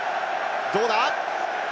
どうだ？